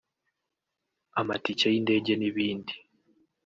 amatike y’indege n’ibindi